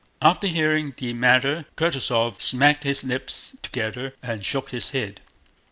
After hearing the matter, Kutúzov smacked his lips together and shook his head.